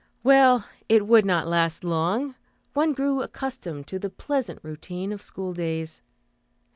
Well, it would not last long, one soon grew accustomed to the pleasant routine of school days.